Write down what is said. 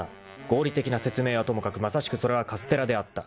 合理的な説明はともかくまさしくそれはカステラであった］